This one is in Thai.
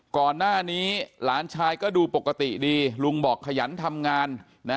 ก่อนหน้านี้หลานชายก็ดูปกติดีลุงบอกขยันทำงานนะ